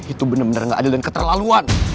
itu bener bener gak adil dan keterlaluan